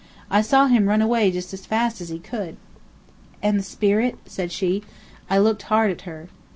I saw him run away just as fast as he could." "And the spirit?" said she. I looked hard at her.